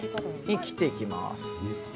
切っていきます。